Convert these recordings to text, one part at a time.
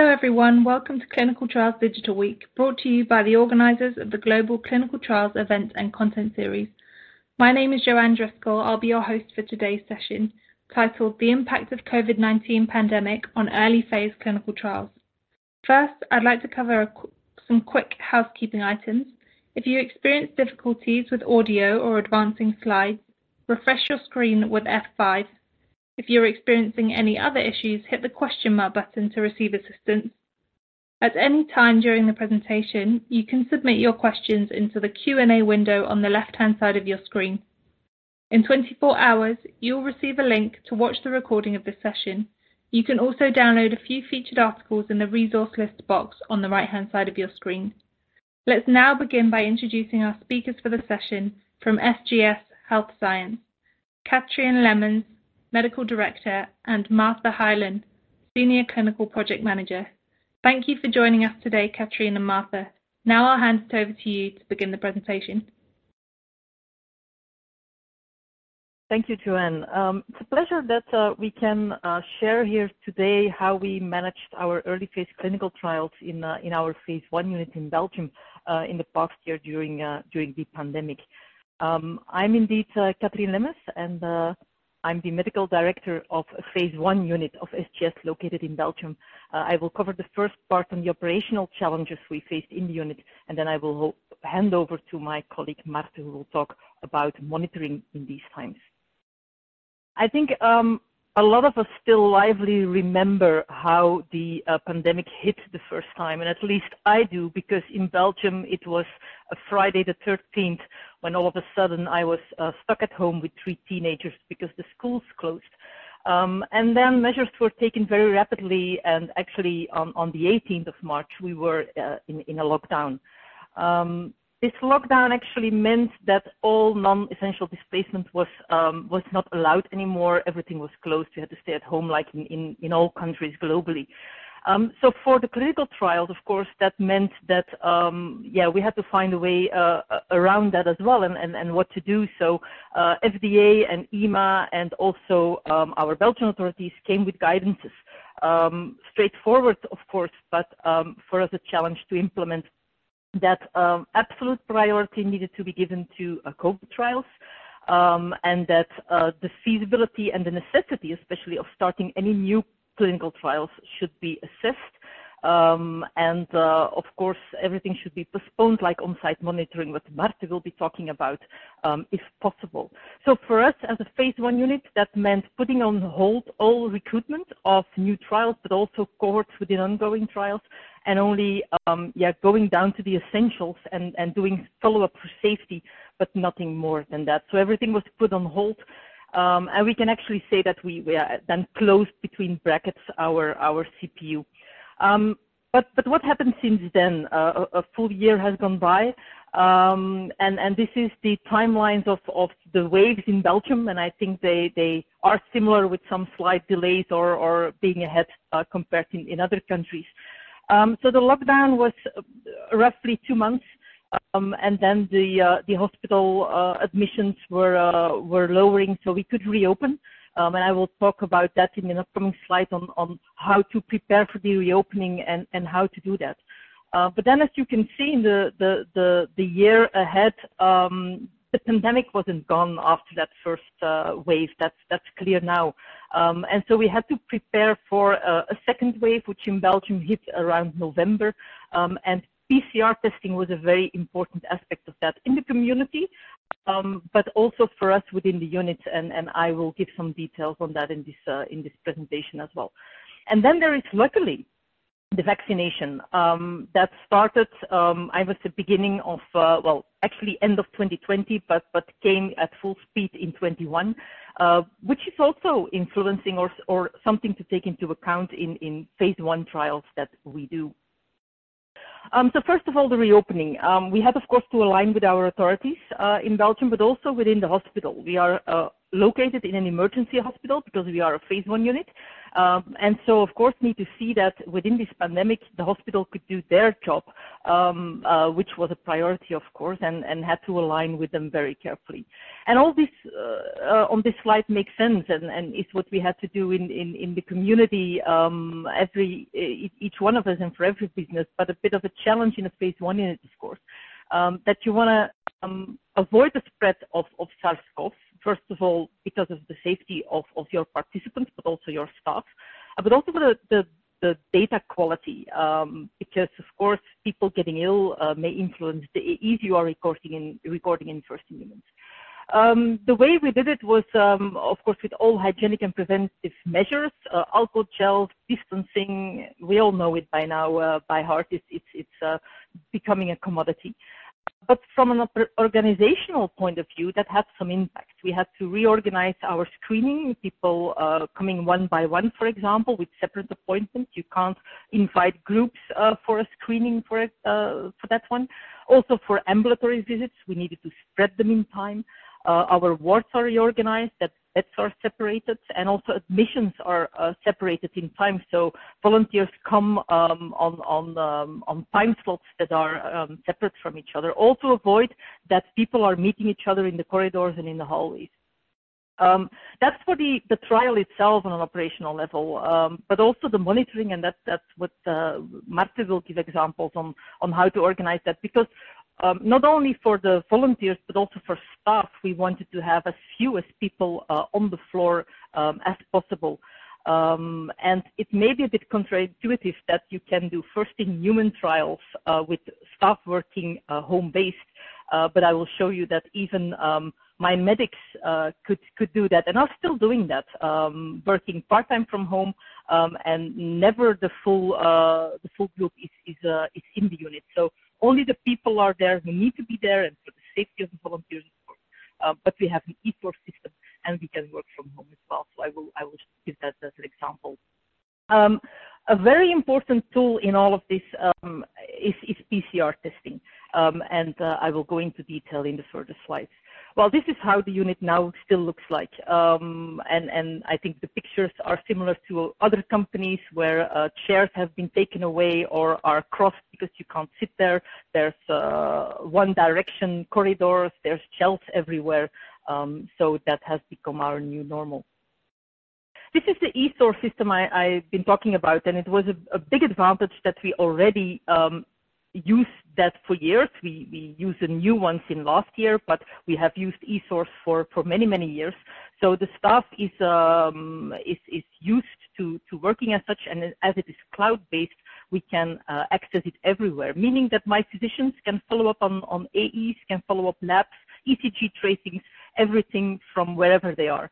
Hello everyone, welcome to Clinical Trials Digital Week, brought to you by the organizers of the Global Clinical Trials Event and Content Series. My name is Joanne Driscoll, I'll be your host for today's session, titled "The Impact of COVID-19 Pandemic on Early Phase Clinical Trials." First, I'd like to cover some quick housekeeping items. If you experience difficulties with audio or advancing slides, refresh your screen with F5. If you're experiencing any other issues, hit the question mark button to receive assistance. At any time during the presentation, you can submit your questions into the Q&A window on the left-hand side of your screen. In 24 hours, you'll receive a link to watch the recording of this session. You can also download a few featured articles in the resource list box on the right-hand side of your screen. Let's now begin by introducing our speakers for the session from SGS Health Science: Katrien Lemmens, Medical Director, and Martha Hyland, Senior Clinical Project Manager. Thank you for joining us today, Katrien and Martha. Now I'll hand it over to you to begin the presentation. Thank you, Joanne. It's a pleasure that we can share here today how we managed our early phase clinical trials in our phase I unit in Belgium in the past year during the pandemic. I'm indeed Katrien Lemmens, and I'm the Medical Director of phase I unit of SGS located in Belgium. I will cover the first part on the operational challenges we faced in the unit, and then I will hand over to my colleague Martha, who will talk about monitoring in these times. I think a lot of us still vividly remember how the pandemic hit the first time, and at least I do, because in Belgium it was Friday the 13th when all of a sudden I was stuck at home with three teenagers because the schools closed, and then measures were taken very rapidly, and actually on the 18th of March we were in a lockdown. This lockdown actually meant that all non-essential displacement was not allowed anymore, everything was closed, you had to stay at home like in all countries globally. So for the clinical trials, of course, that meant that, yeah, we had to find a way around that as well and what to do. So FDA and EMA and also our Belgian authorities came with guidance. Straightforward, of course, but for us a challenge to implement that absolute priority needed to be given to COVID trials and that the feasibility and the necessity, especially of starting any new clinical trials, should be assessed. And of course, everything should be postponed like on-site monitoring, what Martha will be talking about if possible. For us as a phase I unit, that meant putting on hold all recruitment of new trials, but also cohorts within ongoing trials, and only, yeah, going down to the essentials and doing follow-up for safety, but nothing more than that. Everything was put on hold, and we can actually say that we then closed our CPU. But what happened since then? A full year has gone by, and this is the timelines of the waves in Belgium, and I think they are similar with some slight delays or being ahead compared to other countries. The lockdown was roughly two months, and then the hospital admissions were lowering, so we could reopen, and I will talk about that in an upcoming slide on how to prepare for the reopening and how to do that. But then, as you can see in the year ahead, the pandemic wasn't gone after that first wave. That's clear now, and so we had to prepare for a second wave, which in Belgium hit around November, and PCR testing was a very important aspect of that in the community, but also for us within the unit, and I will give some details on that in this presentation as well, and then there is, luckily, the vaccination that started I was at the beginning of, well, actually end of 2020, but came at full speed in 2021, which is also influencing or something to take into account in phase I trials that we do, so first of all, the reopening. We had, of course, to align with our authorities in Belgium, but also within the hospital. We are located in an emergency hospital because we are a phase I unit, and so, of course, need to see that within this pandemic the hospital could do their job, which was a priority, of course, and had to align with them very carefully, and all this on this slide makes sense and is what we had to do in the community, as each one of us and for every business, but a bit of a challenge in a phase I unit, of course, that you want to avoid the spread of SARS-CoV, first of all, because of the safety of your participants, but also your staff, but also the data quality, because, of course, people getting ill may influence the ease you are recording in first units. The way we did it was, of course, with all hygienic and preventative measures: alcohol gels, distancing. We all know it by now by heart. It's becoming a commodity, but from an organizational point of view, that had some impact. We had to reorganize our screening, people coming one by one, for example, with separate appointments. You can't invite groups for a screening for that one. Also, for ambulatory visits, we needed to spread them in time. Our wards are reorganized, that beds are separated, and also admissions are separated in time, so volunteers come on time slots that are separate from each other, also to avoid that people are meeting each other in the corridors and in the hallways. That's for the trial itself on an operational level, but also the monitoring, and that's what Martha will give examples on how to organize that, because not only for the volunteers, but also for staff, we wanted to have as few people on the floor as possible. It may be a bit contradictory that you can do first in human trials with staff working home-based, but I will show you that even my medics could do that, and are still doing that, working part-time from home, and never the full group is in the unit. Only the people are there who need to be there and for the safety of the volunteers, but we have an e eSource system, and we can work from home as well, so I will give that as an example. A very important tool in all of this is PCR testing, and I will go into detail in the further slides. This is how the unit now still looks like, and I think the pictures are similar to other companies where chairs have been taken away or are crossed because you can't sit there. There are one-direction corridors. There are shelves everywhere, so that has become our new normal. This is the eSource system I've been talking about, and it was a big advantage that we already used that for years. We used the new ones in last year, but we have used eSources for many, many years. So the staff is used to working as such, and as it is cloud-based, we can access it everywhere, meaning that my physicians can follow up on AEs, can follow up labs, ECG tracings, everything from wherever they are,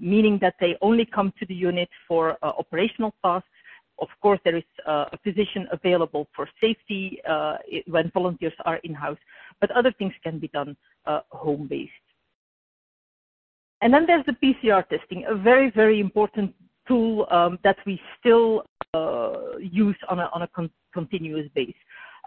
meaning that they only come to the unit for operational tasks. Of course, there is a physician available for safety when volunteers are in-house, but other things can be done home-based. And then there's the PCR testing, a very, very important tool that we still use on a continuous basis.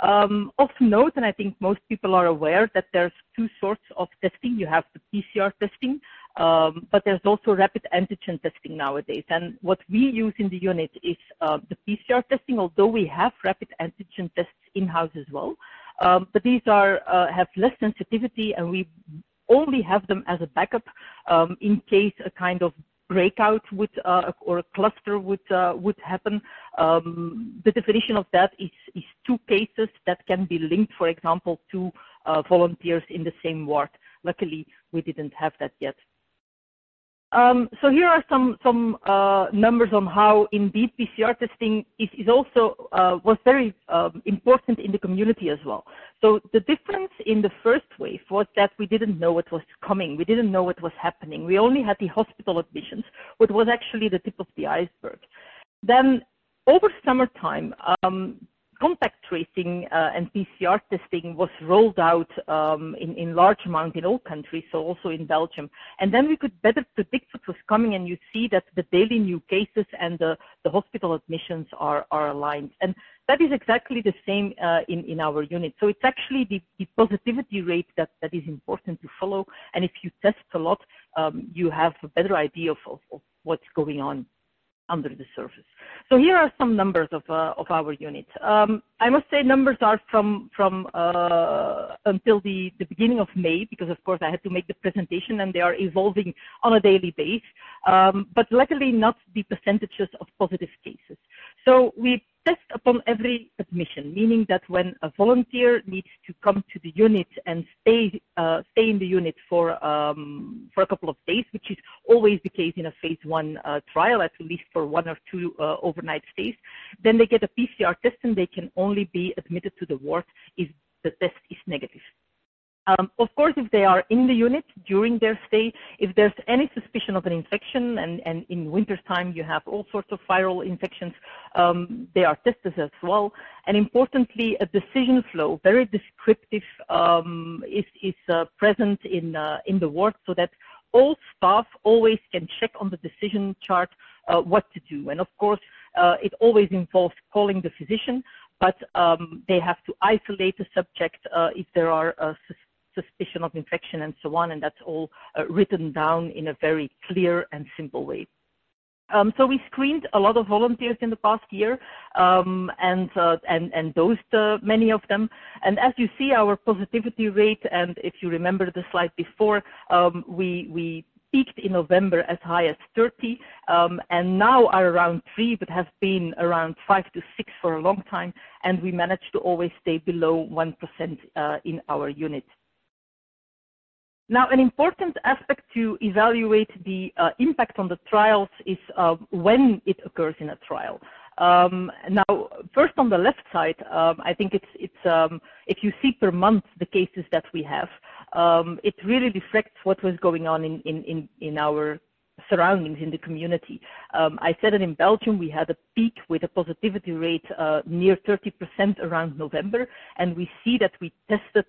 Of note, and I think most people are aware that there's two sorts of testing. You have the PCR testing, but there's also rapid antigen testing nowadays, and what we use in the unit is the PCR testing, although we have rapid antigen tests in-house as well, but these have less sensitivity, and we only have them as a backup in case a kind of outbreak or a cluster would happen. The definition of that is two cases that can be linked, for example, to volunteers in the same ward. Luckily, we didn't have that yet. So here are some numbers on how indeed PCR testing was very important in the community as well. So the difference in the first wave was that we didn't know it was coming. We didn't know it was happening. We only had the hospital admissions, which was actually the tip of the iceberg. Then, over summertime, contact tracing and PCR testing was rolled out in large amounts in all countries, so also in Belgium, and then we could better predict what was coming, and you see that the daily new cases and the hospital admissions are aligned, and that is exactly the same in our unit. So it's actually the positivity rate that is important to follow, and if you test a lot, you have a better idea of what's going on under the surface. So here are some numbers of our unit. I must say numbers are from until the beginning of May because, of course, I had to make the presentation, and they are evolving on a daily basis, but luckily not the percentages of positive cases. So we test upon every admission, meaning that when a volunteer needs to come to the unit and stay in the unit for a couple of days, which is always the case in a phase I trial, at least for one or two overnight stays, then they get a PCR test, and they can only be admitted to the ward if the test is negative. Of course, if they are in the unit during their stay, if there's any suspicion of an infection, and in wintertime you have all sorts of viral infections, they are tested as well. Importantly, a decision flow, very descriptive, is present in the ward so that all staff always can check on the decision chart what to do, and of course, it always involves calling the physician, but they have to isolate the subject if there are suspicions of infection and so on, and that's all written down in a very clear and simple way. We screened a lot of volunteers in the past year and dosed many of them, and as you see, our positivity rate, and if you remember the slide before, we peaked in November as high as 30%, and now are around 3%, but have been around 5% to 6% for a long time, and we managed to always stay below 1% in our unit. An important aspect to evaluate the impact on the trials is when it occurs in a trial. Now, first on the left side, I think if you see per month the cases that we have, it really reflects what was going on in our surroundings, in the community. I said that in Belgium we had a peak with a positivity rate near 30% around November, and we see that we tested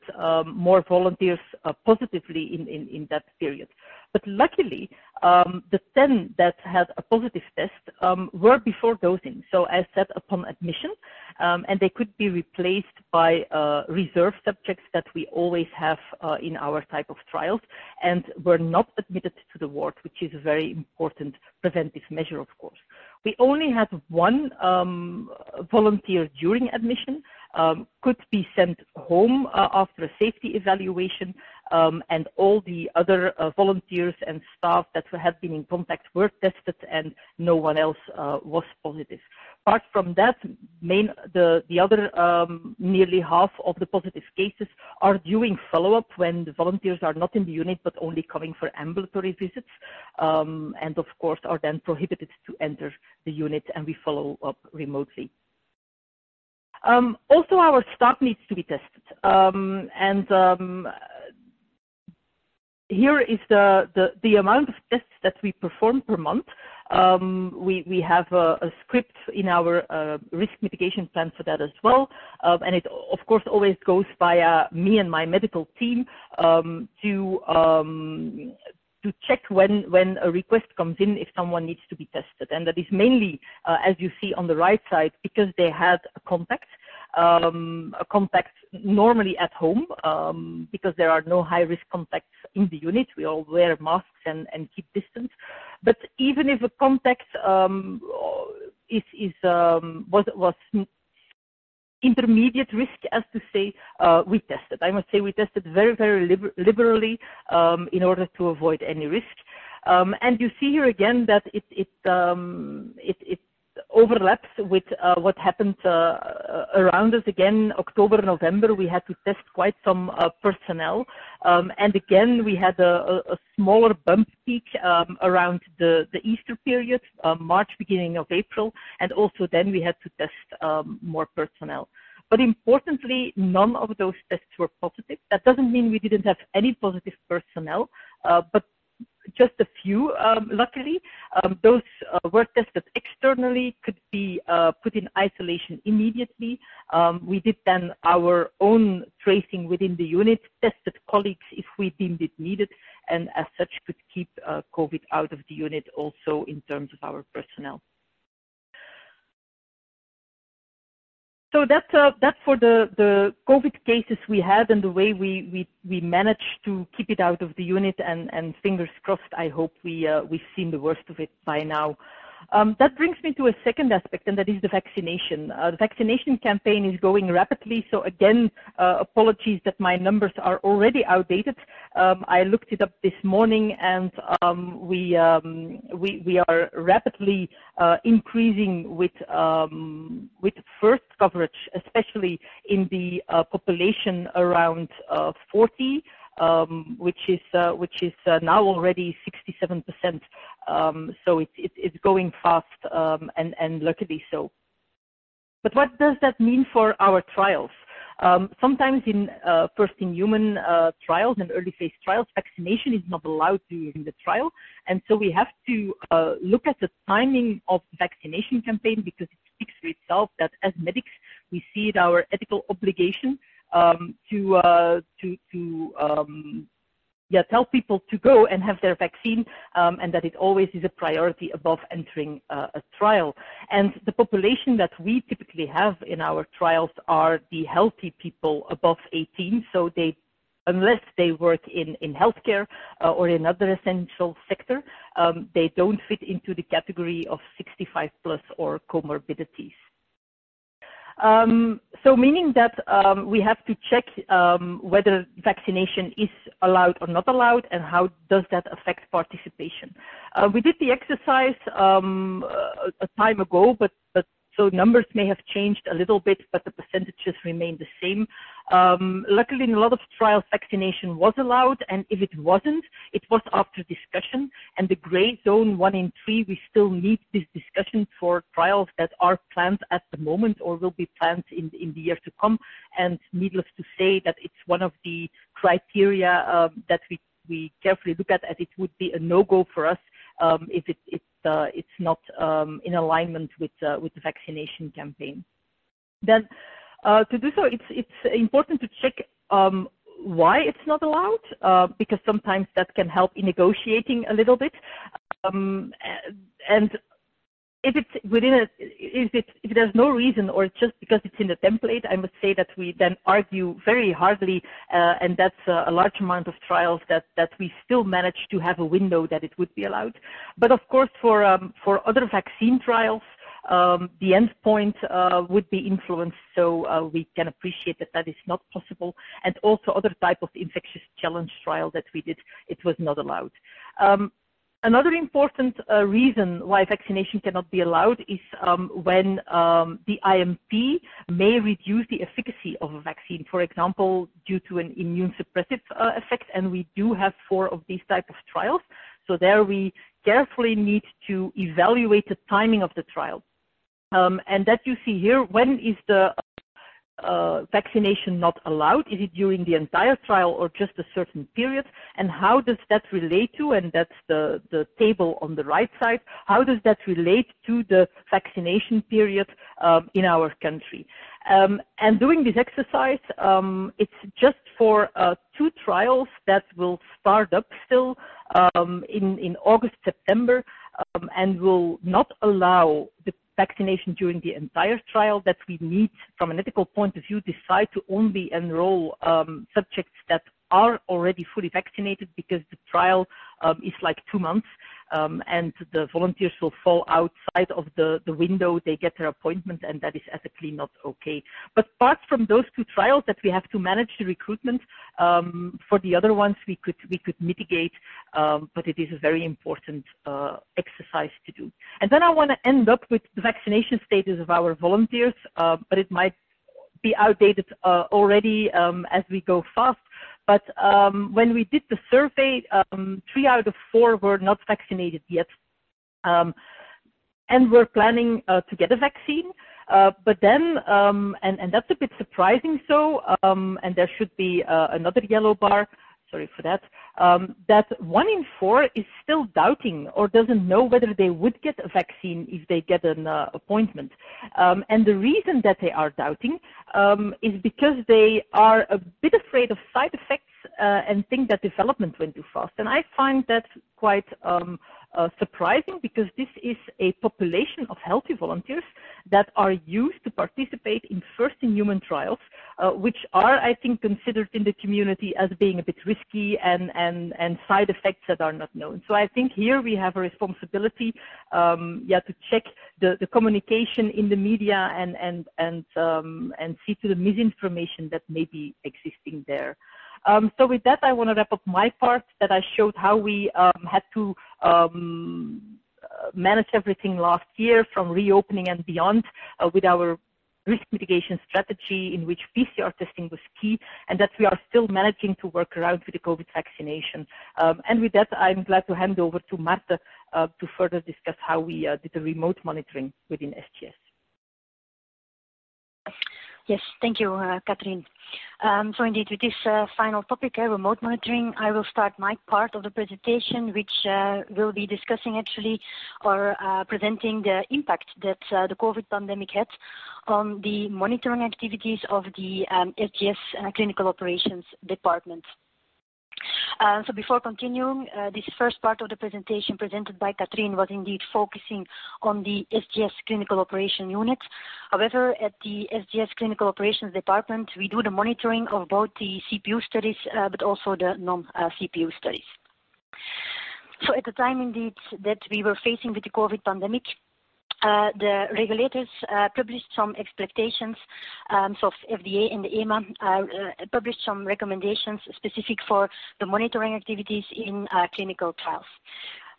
more volunteers positively in that period. But luckily, the 10 that had a positive test were before dosing, so as set upon admission, and they could be replaced by reserve subjects that we always have in our type of trials and were not admitted to the ward, which is a very important preventive measure, of course. We only had one volunteer during admission, could be sent home after a safety evaluation, and all the other volunteers and staff that had been in contact were tested, and no one else was positive. Apart from that, the other nearly half of the positive cases are doing follow-up when the volunteers are not in the unit but only coming for ambulatory visits, and of course are then prohibited to enter the unit, and we follow up remotely. Also, our staff needs to be tested, and here is the amount of tests that we perform per month. We have a script in our risk mitigation plan for that as well, and it, of course, always goes via me and my medical team to check when a request comes in if someone needs to be tested, and that is mainly, as you see on the right side, because they had a contact, a contact normally at home, because there are no high-risk contacts in the unit. We all wear masks and keep distance, but even if a contact was intermediate risk, as to say, we tested. I must say we tested very, very liberally in order to avoid any risk, and you see here again that it overlaps with what happened around us again, October-November. We had to test quite some personnel, and again we had a smaller bump peak around the Easter period, March, beginning of April, and also then we had to test more personnel. But importantly, none of those tests were positive. That doesn't mean we didn't have any positive personnel, but just a few, luckily. Those were tested externally, could be put in isolation immediately. We did then our own tracing within the unit, tested colleagues if we deemed it needed, and as such could keep COVID out of the unit also in terms of our personnel. So that's for the COVID cases we had and the way we managed to keep it out of the unit, and fingers crossed I hope we've seen the worst of it by now. That brings me to a second aspect, and that is the vaccination. The vaccination campaign is going rapidly, so again, apologies that my numbers are already outdated. I looked it up this morning, and we are rapidly increasing with first coverage, especially in the population around 40, which is now already 67%, so it's going fast and luckily so. But what does that mean for our trials? Sometimes in first-in-human trials and early-phase trials, vaccination is not allowed during the trial, and so we have to look at the timing of the vaccination campaign because it speaks for itself that as medics, we see it our ethical obligation to tell people to go and have their vaccine, and that it always is a priority above entering a trial, and the population that we typically have in our trials are the healthy people above 18, so unless they work in healthcare or in other essential sectors, they don't fit into the category of 65-plus or comorbidities, so meaning that we have to check whether vaccination is allowed or not allowed, and how does that affect participation? We did the exercise a time ago, but so numbers may have changed a little bit, but the percentages remain the same. Luckily, in a lot of trials, vaccination was allowed, and if it wasn't, it was after discussion. And the gray zone, one in three, we still need this discussion for trials that are planned at the moment or will be planned in the years to come. Needless to say that it's one of the criteria that we carefully look at, as it would be a no-go for us if it's not in alignment with the vaccination campaign. Then, to do so, it's important to check why it's not allowed because sometimes that can help in negotiating a little bit. And if there's no reason or just because it's in the template, I must say that we then argue very hard. And that's a large amount of trials that we still manage to have a window that it would be allowed. But of course, for other vaccine trials, the endpoint would be influenced, so we can appreciate that that is not possible, and also other types of infectious challenge trials that we did. It was not allowed. Another important reason why vaccination cannot be allowed is when the IMP may reduce the efficacy of a vaccine, for example, due to an immune suppressive effect, and we do have four of these types of trials, so there we carefully need to evaluate the timing of the trial. And that you see here, when is the vaccination not allowed? Is it during the entire trial or just a certain period? And how does that relate to, and that's the table on the right side, how does that relate to the vaccination period in our country? And doing this exercise, it's just for two trials that will start up still in August-September and will not allow the vaccination during the entire trial that we need from an ethical point of view to decide to only enroll subjects that are already fully vaccinated because the trial is like two months, and the volunteers will fall outside of the window they get their appointment, and that is ethically not okay. But apart from those two trials that we have to manage the recruitment, for the other ones we could mitigate, but it is a very important exercise to do. And then I want to end up with the vaccination status of our volunteers, but it might be outdated already as we go fast. But when we did the survey, three out of four were not vaccinated yet and were planning to get a vaccine, but then, and that's a bit surprising so, and there should be another yellow bar, sorry for that, that one in four is still doubting or doesn't know whether they would get a vaccine if they get an appointment. And the reason that they are doubting is because they are a bit afraid of side effects and think that development went too fast, and I find that quite surprising because this is a population of healthy volunteers that are used to participate in first-in-human trials, which are, I think, considered in the community as being a bit risky and side effects that are not known. So I think here we have a responsibility to check the communication in the media and see to the misinformation that may be existing there. So with that, I want to wrap up my part that I showed how we had to manage everything last year from reopening and beyond with our risk mitigation strategy in which PCR testing was key, and that we are still managing to work around with the COVID vaccination. And with that, I'm glad to hand over to Martha to further discuss how we did the remote monitoring within SGS. Yes, thank you, Katrien. So indeed, with this final topic, remote monitoring, I will start my part of the presentation, which will be discussing actually or presenting the impact that the COVID pandemic had on the monitoring activities of the SGS Clinical Operations Department. So before continuing, this first part of the presentation presented by Katrien was indeed focusing on the SGS Clinical Operations Unit. However, at the SGS Clinical Operations Department, we do the monitoring of both the CPU studies but also the non-CPU studies. So at the time indeed that we were facing with the COVID pandemic, the regulators published some expectations, so FDA and the EMA published some recommendations specific for the monitoring activities in clinical trials.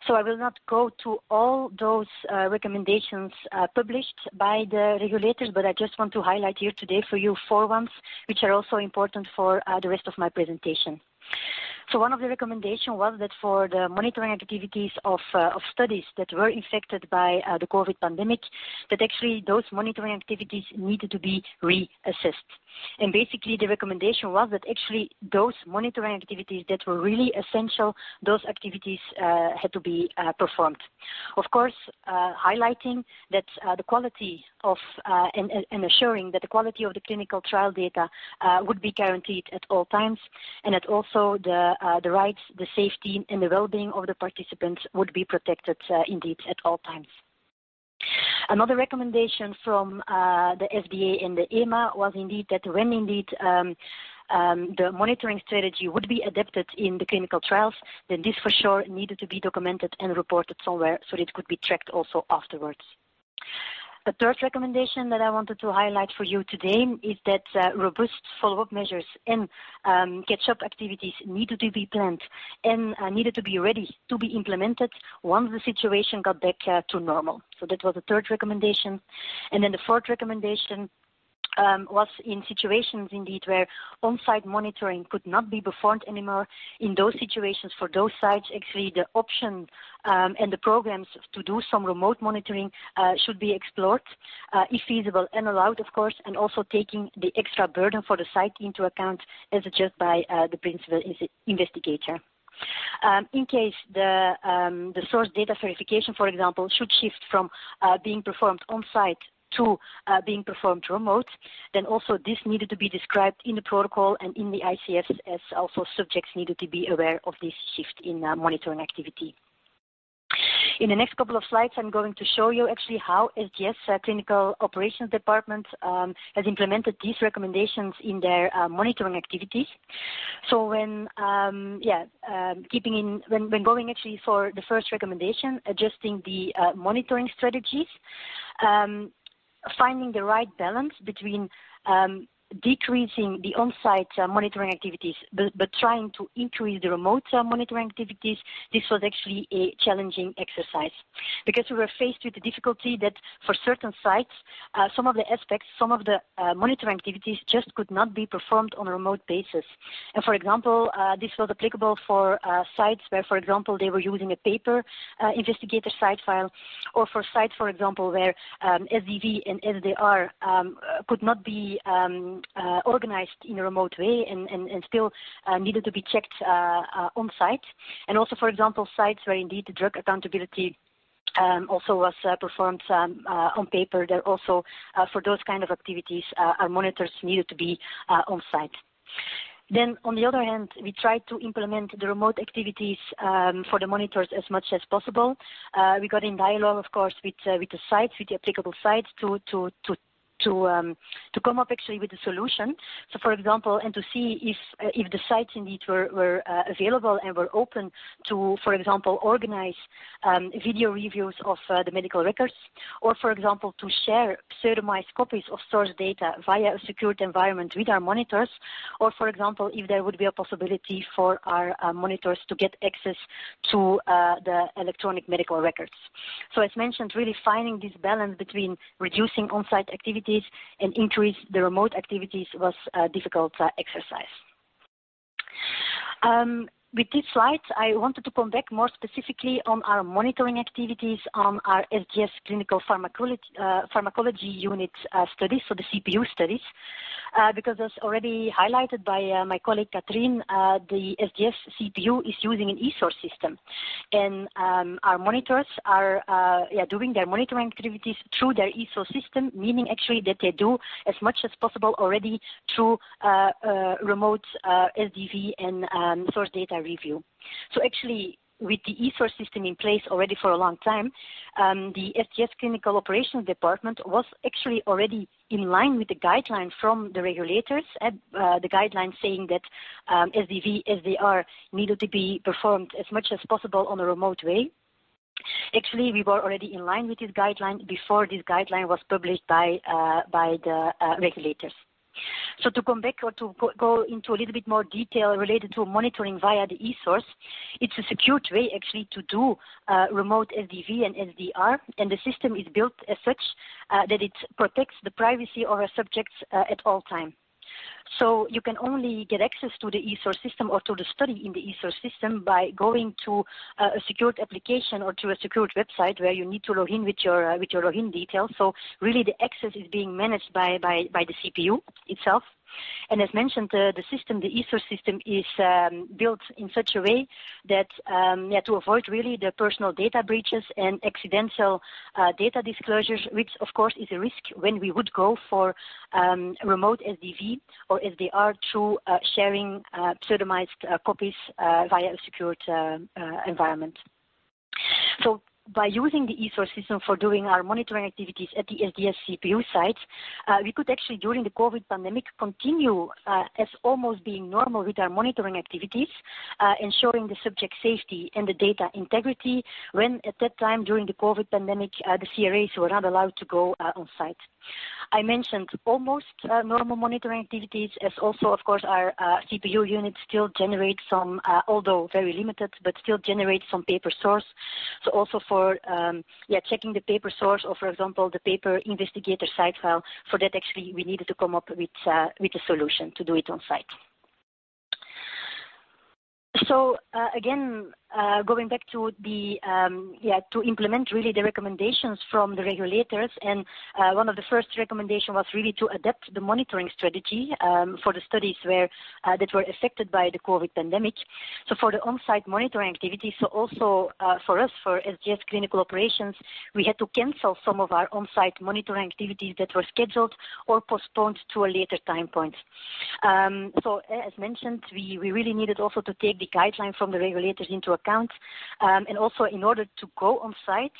So I will not go to all those recommendations published by the regulators, but I just want to highlight here today for you four ones which are also important for the rest of my presentation. So one of the recommendations was that for the monitoring activities of studies that were affected by the COVID pandemic, that actually those monitoring activities needed to be reassessed. And basically, the recommendation was that actually those monitoring activities that were really essential, those activities had to be performed. Of course, highlighting that the quality of and ensuring that the quality of the clinical trial data would be guaranteed at all times, and that also the rights, the safety, and the well-being of the participants would be protected indeed at all times. Another recommendation from the FDA and the EMA was indeed that when indeed the monitoring strategy would be adapted in the clinical trials, then this for sure needed to be documented and reported somewhere so that it could be tracked also afterwards. A third recommendation that I wanted to highlight for you today is that robust follow-up measures and catch-up activities needed to be planned and needed to be ready to be implemented once the situation got back to normal. So that was the third recommendation. And then the fourth recommendation was in situations indeed where on-site monitoring could not be performed anymore. In those situations, for those sites, actually the option and the programs to do some remote monitoring should be explored, if feasible and allowed, of course, and also taking the extra burden for the site into account as adjusted by the principal investigator. In case the source data verification, for example, should shift from being performed on-site to being performed remote, then also this needed to be described in the protocol and in the ICF, and also subjects needed to be aware of this shift in monitoring activity. In the next couple of slides, I'm going to show you actually how SGS Clinical Operations Department has implemented these recommendations in their monitoring activities. So when going actually for the first recommendation, adjusting the monitoring strategies, finding the right balance between decreasing the on-site monitoring activities but trying to increase the remote monitoring activities, this was actually a challenging exercise because we were faced with the difficulty that for certain sites, some of the aspects, some of the monitoring activities just could not be performed on a remote basis. For example, this was applicable for sites where, for example, they were using a paper investigator site file, or for sites, for example, where SDR and SDV could not be organized in a remote way and still needed to be checked on-site. Also, for example, sites where indeed the drug accountability also was performed on paper, there also for those kinds of activities, our monitors needed to be on-site. Then, on the other hand, we tried to implement the remote activities for the monitors as much as possible. We got in dialogue, of course, with the sites, with the applicable sites to come up actually with a solution. So, for example, and to see if the sites indeed were available and were open to, for example, organize video reviews of the medical records, or, for example, to share pseudonymized copies of source data via a secured environment with our monitors, or, for example, if there would be a possibility for our monitors to get access to the electronic medical records. So, as mentioned, really finding this balance between reducing on-site activities and increasing the remote activities was a difficult exercise. With this slide, I wanted to come back more specifically on our monitoring activities on our SGS Clinical Pharmacology Unit studies, so the CPU studies, because as already highlighted by my colleague Katrien, the SGS CPU is using an eSource system, and our monitors are doing their monitoring activities through their eSource system, meaning actually that they do as much as possible already through remote SDV and source data review. So, actually, with the eSource system in place already for a long time, the SGS Clinical Operations Department was actually already in line with the guidelines from the regulators, the guidelines saying that SDV, SDR needed to be performed as much as possible on a remote way. Actually, we were already in line with this guideline before this guideline was published by the regulators. To come back or to go into a little bit more detail related to monitoring via the eSources, it's a secured way actually to do remote SDV and SDR, and the system is built as such that it protects the privacy of our subjects at all times. You can only get access to the eSource system or to the study in the eSource system by going to a secured application or to a secured website where you need to log in with your login details. Really, the access is being managed by the CPU itself. And as mentioned, the system, the eSource system, is built in such a way that to avoid really the personal data breaches and accidental data disclosures, which, of course, is a risk when we would go for remote SDV or SDR through sharing pseudonymized copies via a secured environment. So, by using the eSource system for doing our monitoring activities at the SGS CPU sites, we could actually, during the COVID pandemic, continue as almost being normal with our monitoring activities, ensuring the subject safety and the data integrity when, at that time, during the COVID pandemic, the CRAs were not allowed to go on-site. I mentioned almost normal monitoring activities as also, of course, our CPU unit still generates some, although very limited, but still generates some paper source. So, also for checking the paper source or, for example, the paper investigator site file, for that actually we needed to come up with a solution to do it on-site. So, again, going back to implement really the recommendations from the regulators, and one of the first recommendations was really to adapt the monitoring strategy for the studies that were affected by the COVID pandemic. For the on-site monitoring activities, so also for us, for SGS Clinical Operations, we had to cancel some of our on-site monitoring activities that were scheduled or postponed to a later time point. As mentioned, we really needed also to take the guidelines from the regulators into account, and also in order to go on-site,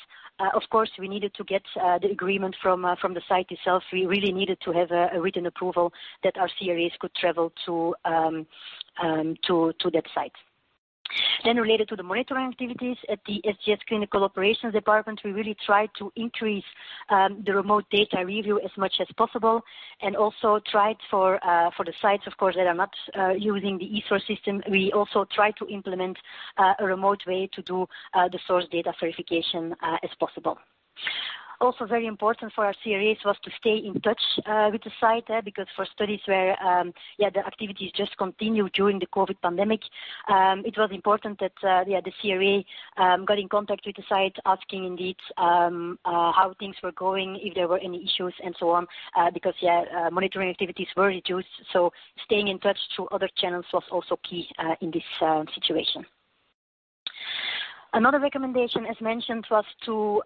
of course, we needed to get the agreement from the site itself. We really needed to have a written approval that our CRAs could travel to that site. Related to the monitoring activities at the SGS Clinical Operations Department, we really tried to increase the remote data review as much as possible. And also tried for the sites, of course, that are not using the eSource system. We also tried to implement a remote way to do the source data verification as possible. Also, very important for our CRAs was to stay in touch with the site because for studies where the activities just continued during the COVID pandemic, it was important that the CRA got in contact with the site asking indeed how things were going, if there were any issues, and so on, because monitoring activities were reduced, so staying in touch through other channels was also key in this situation. Another recommendation, as mentioned, was to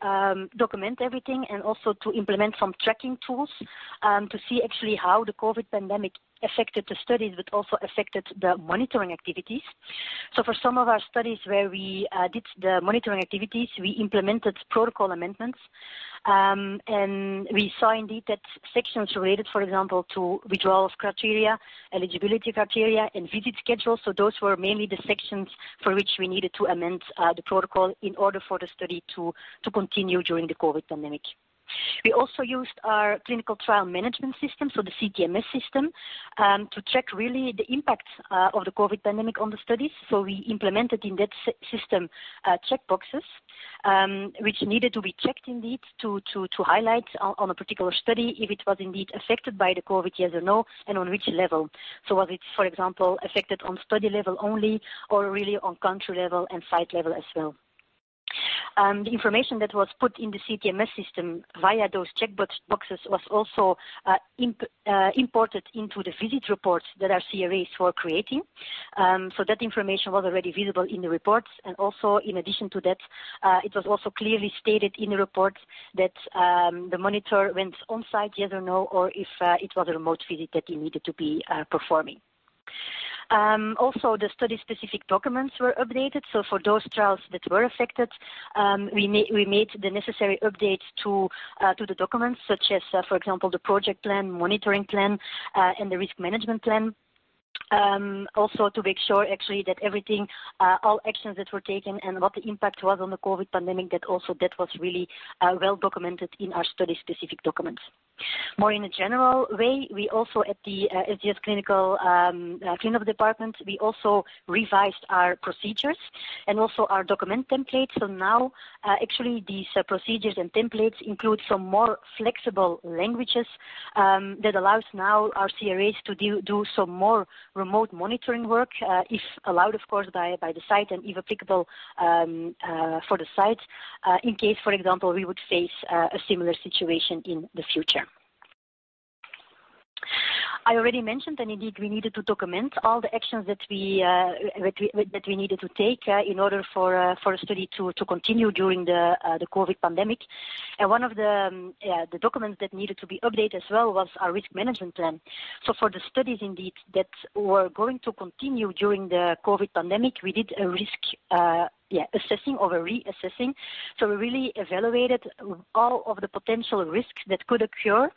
document everything and also to implement some tracking tools to see actually how the COVID pandemic affected the studies but also affected the monitoring activities, so for some of our studies where we did the monitoring activities, we implemented protocol amendments, and we saw indeed that sections related, for example, to withdrawal of criteria, eligibility criteria, and visit schedules. Those were mainly the sections for which we needed to amend the protocol in order for the study to continue during the COVID pandemic. We also used our clinical trial management system, so the CTMS system, to track really the impact of the COVID pandemic on the studies. We implemented in that system checkboxes which needed to be checked indeed to highlight on a particular study if it was indeed affected by the COVID, yes or no, and on which level. Was it, for example, affected on study level only or really on country level and site level as well? The information that was put in the CTMS system via those checkboxes was also imported into the visit reports that our CRAs were creating. That information was already visible in the reports, and also, in addition to that, it was also clearly stated in the reports that the monitor went on-site, yes or no, or if it was a remote visit that he needed to be performing. Also, the study-specific documents were updated. For those trials that were affected, we made the necessary updates to the documents, such as, for example, the project plan, monitoring plan, and the risk management plan, also to make sure actually that all actions that were taken and what the impact was on the COVID pandemic, that also that was really well documented in our study-specific documents. More in a general way, we also at the SGS Clinical Department, we also revised our procedures and also our document templates. So, now actually these procedures and templates include some more flexible language that allows now our CRAs to do some more remote monitoring work, if allowed, of course, by the site and if applicable for the site in case, for example, we would face a similar situation in the future. I already mentioned that indeed we needed to document all the actions that we needed to take in order for a study to continue during the COVID pandemic. And one of the documents that needed to be updated as well was our Risk Management Plan. So, for the studies indeed that were going to continue during the COVID pandemic, we did a risk assessment or a reassessment. We really evaluated all of the potential risks that could occur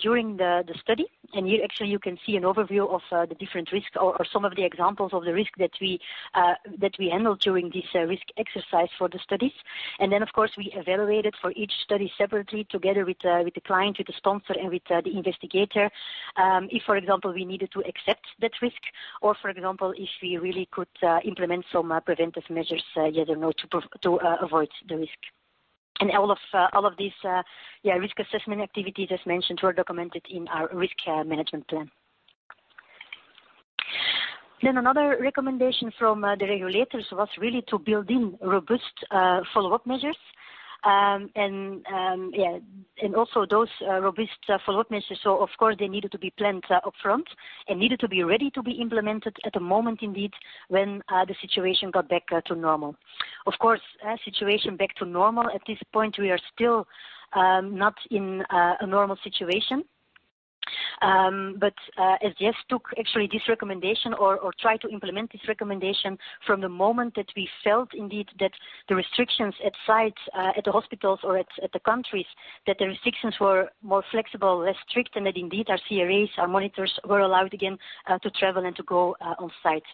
during the study, and here actually you can see an overview of the different risks or some of the examples of the risks that we handled during this risk exercise for the studies. Of course, we evaluated for each study separately together with the client, with the sponsor, and with the investigator if, for example, we needed to accept that risk or, for example, if we really could implement some preventive measures, yes or no, to avoid the risk. All of these risk assessment activities, as mentioned, were documented in our risk management plan. Then, another recommendation from the regulators was really to build in robust follow-up measures, and also those robust follow-up measures, so, of course, they needed to be planned upfront and needed to be ready to be implemented at the moment indeed when the situation got back to normal. Of course, situation back to normal, at this point, we are still not in a normal situation, but SGS took actually this recommendation or tried to implement this recommendation from the moment that we felt indeed that the restrictions at sites, at the hospitals or at the countries, that the restrictions were more flexible, less strict, and that indeed our CRAs, our monitors were allowed again to travel and to go on-site.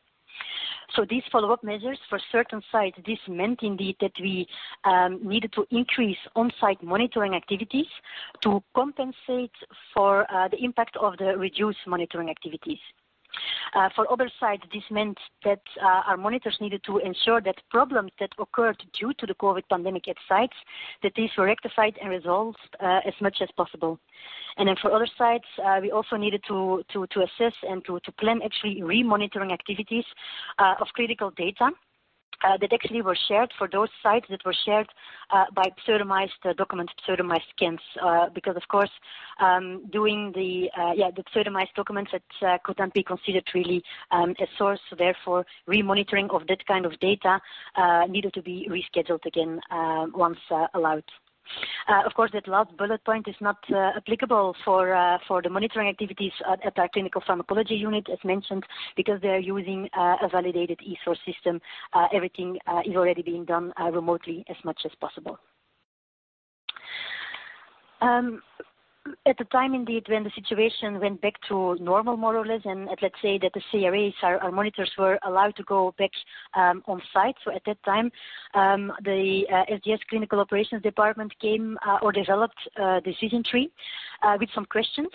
So, these follow-up measures for certain sites, this meant indeed that we needed to increase on-site monitoring activities to compensate for the impact of the reduced monitoring activities. For other sites, this meant that our monitors needed to ensure that problems that occurred due to the COVID pandemic at sites, that these were rectified and resolved as much as possible, and then, for other sites, we also needed to assess and to plan actually re-monitoring activities of critical data that actually were shared for those sites that were shared by pseudonymized documents, pseudonymized scans, because, of course, doing the pseudonymized documents, that could not be considered really a source, so therefore, re-monitoring of that kind of data needed to be rescheduled again once allowed. Of course, that last bullet point is not applicable for the monitoring activities at our Clinical Pharmacology Unit, as mentioned, because they are using a validated eSource system. Everything is already being done remotely as much as possible. At the time indeed when the situation went back to normal, more or less, and let's say that the CRAs, our monitors, were allowed to go back on-site, so at that time, the SGS Clinical Operations Department came or developed a decision tree with some questions,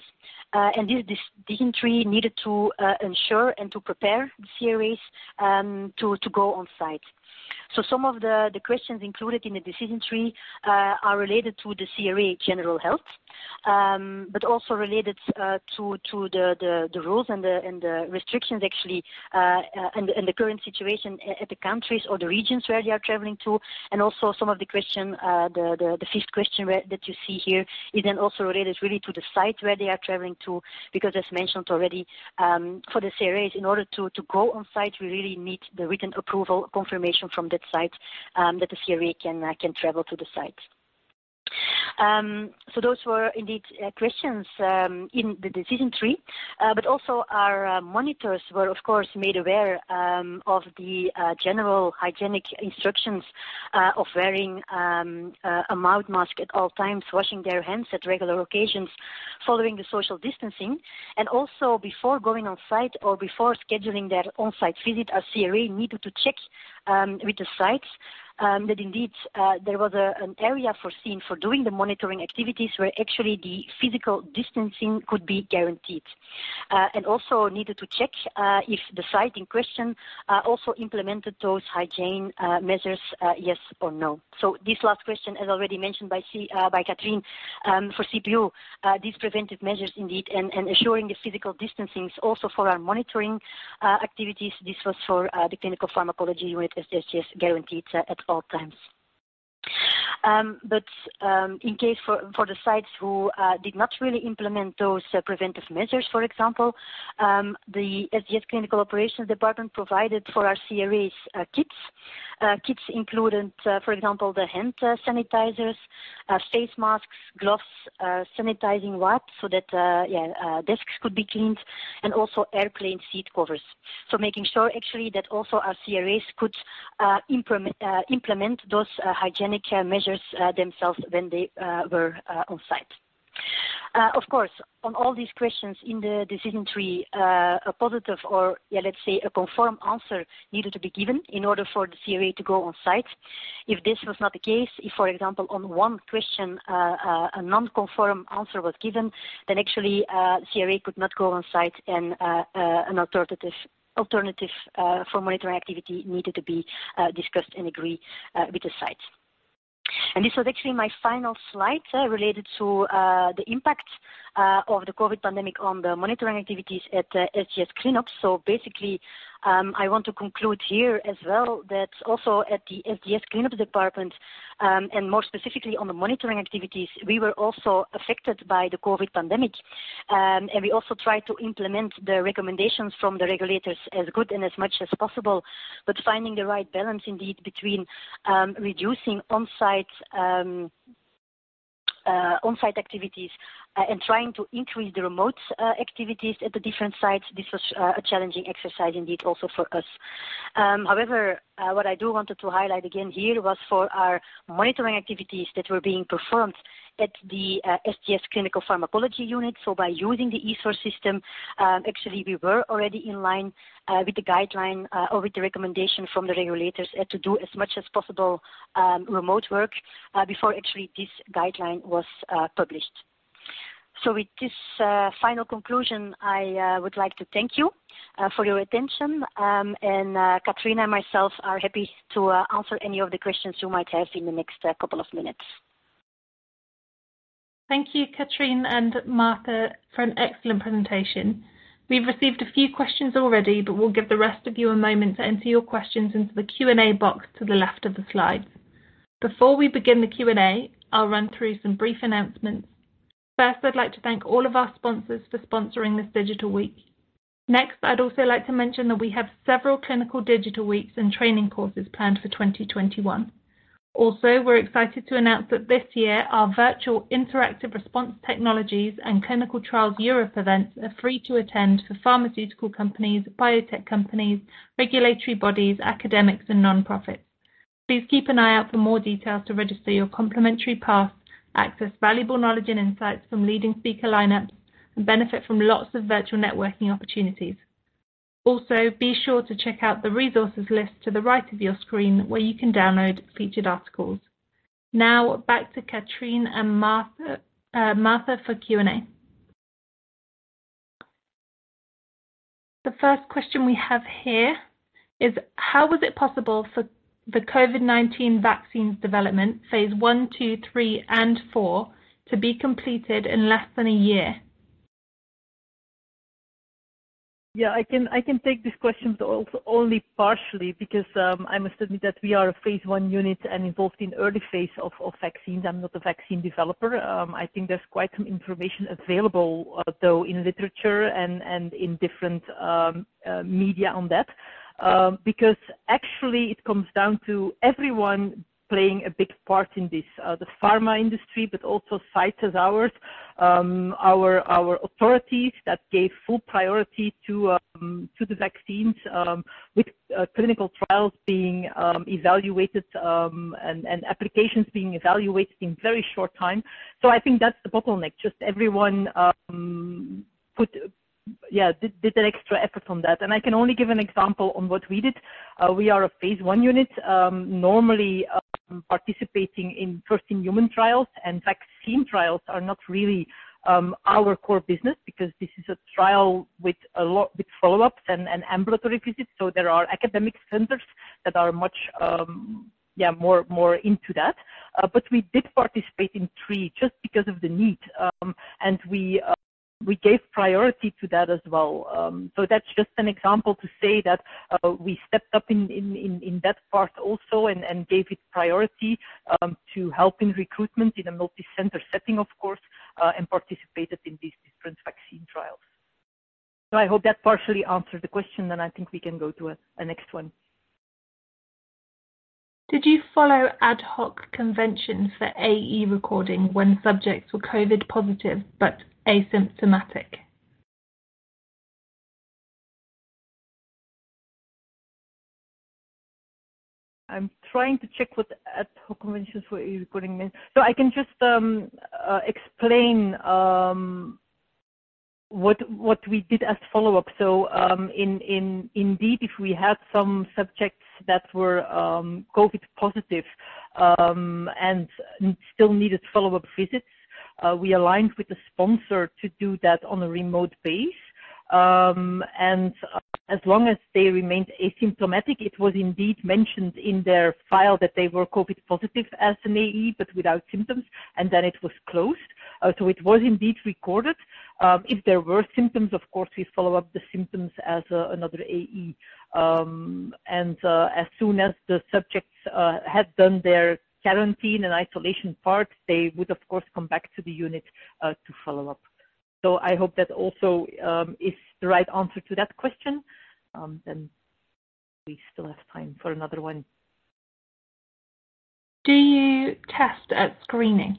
and this decision tree needed to ensure and to prepare the CRAs to go on-site. So, some of the questions included in the decision tree are related to the CRA general health, but also related to the rules and the restrictions actually and the current situation at the countries or the regions where they are traveling to. Also, some of the questions, the fifth question that you see here, is then also related really to the site where they are traveling to, because, as mentioned already, for the CRAs, in order to go on-site, we really need the written approval confirmation from that site that the CRA can travel to the site. So, those were indeed questions in the decision tree, but also our monitors were, of course, made aware of the general hygienic instructions of wearing a mouth mask at all times, washing their hands at regular occasions, following the social distancing. Also, before going on-site or before scheduling their on-site visit, our CRA needed to check with the sites that indeed there was an area foreseen for doing the monitoring activities where actually the physical distancing could be guaranteed. And also needed to check if the site in question also implemented those hygiene measures, yes or no. So, this last question, as already mentioned by Katrien for CPU, these preventive measures indeed and ensuring the physical distancing also for our monitoring activities, this was for the Clinical Pharmacology Unit at SGS guaranteed at all times. But in case for the sites who did not really implement those preventive measures, for example, the SGS Clinical Operations Department provided for our CRAs kits. Kits included, for example, the hand sanitizers, face masks, gloves, sanitizing wipes so that desks could be cleaned, and also airplane seat covers. So, making sure actually that also our CRAs could implement those hygienic measures themselves when they were on-site. Of course, on all these questions in the decision tree, a positive or, let's say, a conform answer needed to be given in order for the CRA to go on-site. If this was not the case, if, for example, on one question, a non-conform answer was given, then actually the CRA could not go on-site and an alternative for monitoring activity needed to be discussed and agreed with the site. And this was actually my final slide related to the impact of the COVID pandemic on the monitoring activities at SGS ClinOps. So, basically, I want to conclude here as well that also at the SGS ClinOps Department, and more specifically on the monitoring activities, we were also affected by the COVID pandemic, and we also tried to implement the recommendations from the regulators as good and as much as possible, but finding the right balance indeed between reducing on-site activities and trying to increase the remote activities at the different sites, this was a challenging exercise indeed also for us. However, what I do want to highlight again here was for our monitoring activities that were being performed at the SGS Clinical Pharmacology Unit. So, by using the eSource system, actually we were already in line with the guideline or with the recommendation from the regulators to do as much as possible remote work before actually this guideline was published. So, with this final conclusion, I would like to thank you for your attention, and Katrien and myself are happy to answer any of the questions you might have in the next couple of minutes. Thank you, Katrien and Martha, for an excellent presentation. We've received a few questions already, but we'll give the rest of you a moment to enter your questions into the Q&A box to the left of the slides. Before we begin the Q&A, I'll run through some brief announcements. First, I'd like to thank all of our sponsors for sponsoring this Digital Week. Next, I'd also like to mention that we have several clinical Digital Weeks and training courses planned for 2021. Also, we're excited to announce that this year, our Virtual Interactive Response Technologies and Clinical Trials Europe events are free to attend for pharmaceutical companies, biotech companies, regulatory bodies, academics, and nonprofits. Please keep an eye out for more details to register your complimentary pass, access valuable knowledge and insights from leading speaker lineups, and benefit from lots of virtual networking opportunities. Also, be sure to check out the resources list to the right of your screen where you can download featured articles. Now, back to Katrien and Martha for Q&A. The first question we have here is, how was it possible for the COVID-19 vaccines development, phase I, II, III, and IV, to be completed in less than a year? Yeah, I can take this question only partially because I must admit that we are a phase I unit and involved in early phase of vaccines. I'm not a vaccine developer. I think there's quite some information available, though, in literature and in different media on that, because actually it comes down to everyone playing a big part in this, the pharma industry, but also sites as ours, our authorities that gave full priority to the vaccines, with clinical trials being evaluated and applications being evaluated in very short time. So, I think that's the bottleneck, just everyone put, yeah, did an extra effort on that. And I can only give an example on what we did. We are a phase I unit, normally participating in first-in-human trials, and vaccine trials are not really our core business because this is a trial with follow-ups and ambulatory visits. So, there are academic centers that are much, yeah, more into that, but we did participate in three just because of the need, and we gave priority to that as well. So, that's just an example to say that we stepped up in that part also and gave it priority to help in recruitment in a multicenter setting, of course, and participated in these different vaccine trials. So, I hope that partially answered the question, and I think we can go to the next one. Did you follow ad hoc conventions for AE recording when subjects were COVID positive but asymptomatic? I'm trying to check what ad hoc conventions for AE recording means. So, I can just explain what we did as follow-up. So, indeed, if we had some subjects that were COVID positive and still needed follow-up visits, we aligned with the sponsor to do that on a remote basis, and as long as they remained asymptomatic, it was indeed mentioned in their file that they were COVID positive as an AE but without symptoms, and then it was closed. So, it was indeed recorded. If there were symptoms, of course, we follow up the symptoms as another AE. And as soon as the subjects had done their quarantine and isolation part, they would, of course, come back to the unit to follow up. So, I hope that also is the right answer to that question. Then we still have time for another one. Do you test at screening?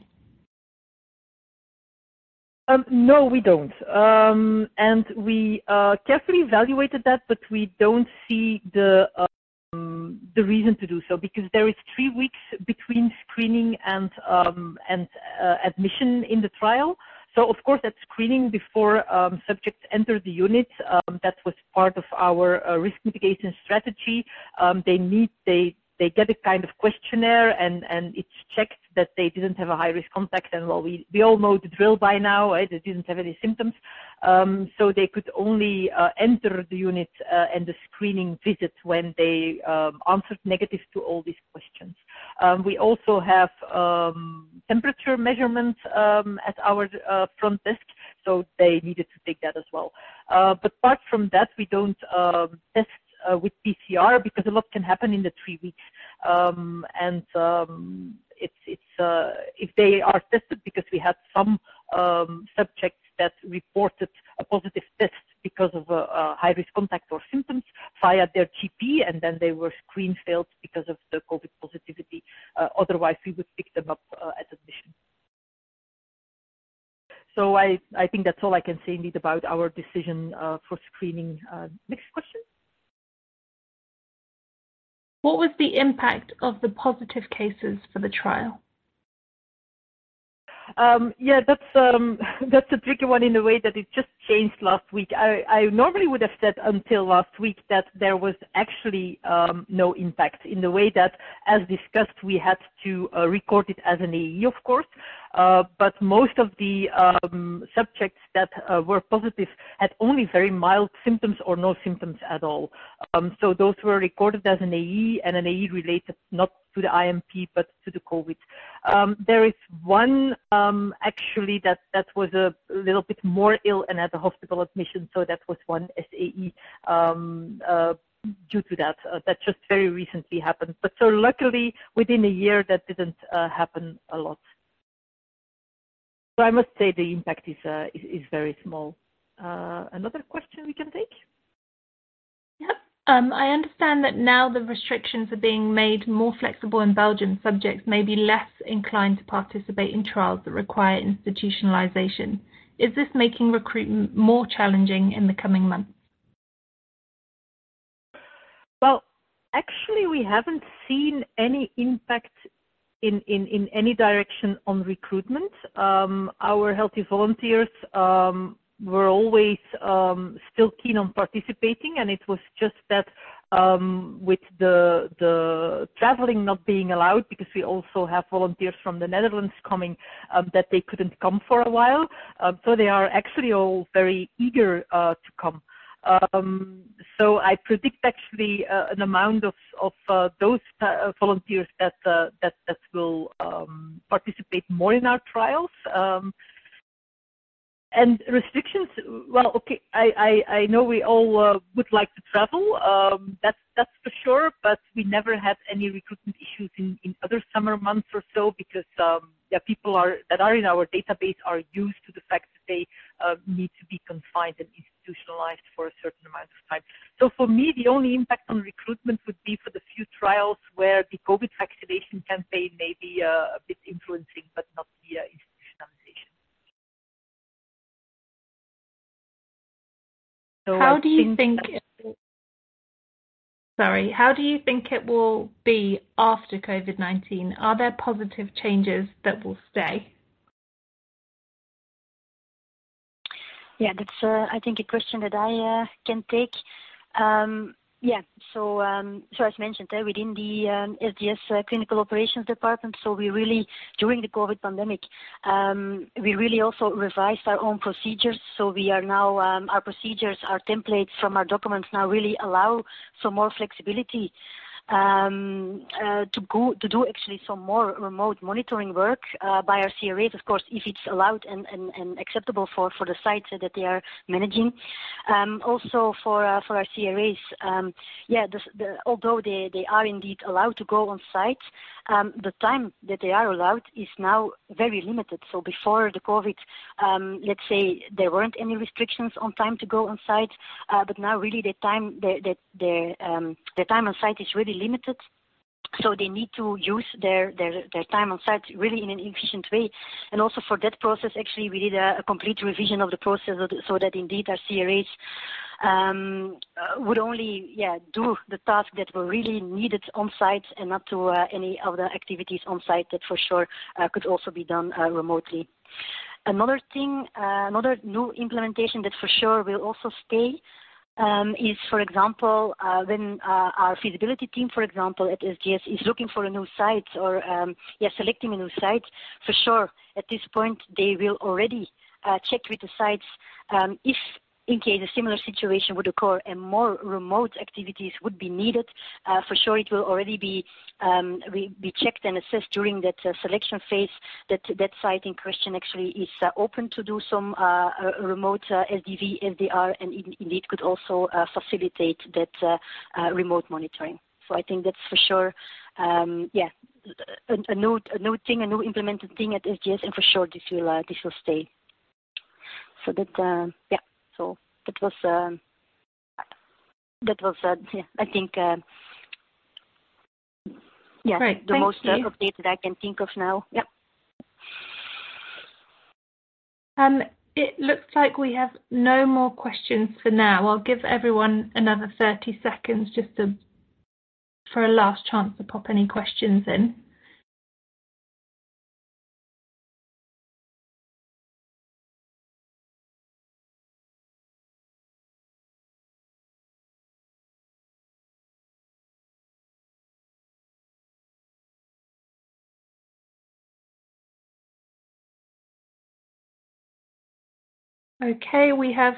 No, we don't. And we carefully evaluated that, but we don't see the reason to do so because there is three weeks between screening and admission in the trial. So, of course, at screening before subjects enter the unit, that was part of our risk mitigation strategy. They get a kind of questionnaire, and it's checked that they didn't have a high-risk contact. While we all know the drill by now, they didn't have any symptoms, so they could only enter the unit and the screening visit when they answered negative to all these questions. We also have temperature measurements at our front desk, so they needed to take that as well. But apart from that, we don't test with PCR because a lot can happen in the three weeks. If they are tested because we had some subjects that reported a positive test because of a high-risk contact or symptoms via their GP, and then they were screened failed because of the COVID positivity. Otherwise, we would pick them up at admission. I think that's all I can say indeed about our decision for screening. Next question. What was the impact of the positive cases for the trial? Yeah, that's a tricky one in the way that it just changed last week. I normally would have said until last week that there was actually no impact in the way that, as discussed, we had to record it as an AE, of course, but most of the subjects that were positive had only very mild symptoms or no symptoms at all. So, those were recorded as an AE, and an AE related not to the IMP but to the COVID. There is one actually that was a little bit more ill and had a hospital admission, so that was one SAE due to that. That just very recently happened. But so, luckily, within a year, that didn't happen a lot. So, I must say the impact is very small. Another question we can take? Yep. I understand that now the restrictions are being made more flexible in Belgium. Subjects may be less inclined to participate in trials that require institutionalization. Is this making recruitment more challenging in the coming months? Well, actually, we haven't seen any impact in any direction on recruitment. Our healthy volunteers were always still keen on participating, and it was just that with the traveling not being allowed because we also have volunteers from the Netherlands coming that they couldn't come for a while. So, they are actually all very eager to come. So, I predict actually an amount of those volunteers that will participate more in our trials. And restrictions, well, okay, I know we all would like to travel, that's for sure, but we never had any recruitment issues in other summer months or so because, yeah, people that are in our database are used to the fact that they need to be confined and institutionalized for a certain amount of time. So, for me, the only impact on recruitment would be for the few trials where the COVID vaccination campaign may be a bit influencing but not the institutionalization. How do you think it will be after COVID-19? Are there positive changes that will stay? Yeah, that's, I think, a question that I can take. Yeah. So, as mentioned, we're in the SGS Clinical Operations Department. So, during the COVID pandemic, we really also revised our own procedures. So, our procedures, our templates from our documents now really allow some more flexibility to do actually some more remote monitoring work by our CRAs, of course, if it's allowed and acceptable for the sites that they are managing. Also, for our CRAs, yeah, although they are indeed allowed to go on-site, the time that they are allowed is now very limited. So, before the COVID, let's say there weren't any restrictions on time to go on-site, but now really the time on-site is really limited. So, they need to use their time on-site really in an efficient way. And also, for that process, actually, we did a complete revision of the process so that indeed our CRAs would only, yeah, do the tasks that were really needed on-site and not do any of the activities on-site that for sure could also be done remotely. Another new implementation that for sure will also stay is, for example, when our feasibility team, for example, at SGS is looking for a new site or, yeah, selecting a new site, for sure, at this point, they will already check with the sites in case a similar situation would occur and more remote activities would be needed. For sure, it will already be checked and assessed during that selection phase that that site in question actually is open to do some remote SDV, SDR, and indeed could also facilitate that remote monitoring. So, I think that's for sure, yeah, a new thing, a new implemented thing at SGS, and for sure, this will stay. So, yeah, so that was, I think, yeah, the most updated I can think of now. Yep. It looks like we have no more questions for now. I'll give everyone another 30 seconds just for a last chance to pop any questions in. Okay, we have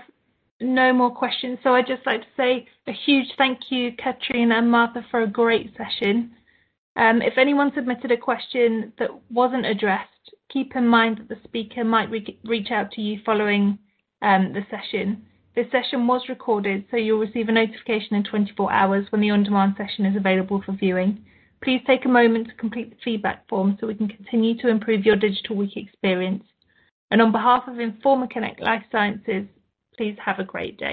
no more questions. So, I'd just like to say a huge thank you, Katrien and Martha, for a great session. If anyone submitted a question that wasn't addressed, keep in mind that the speaker might reach out to you following the session. This session was recorded, so you'll receive a notification in 24 hours when the on-demand session is available for viewing. Please take a moment to complete the feedback form so we can continue to improve your Digital Week experience, and on behalf of Informa Connect Life Sciences, please have a great day.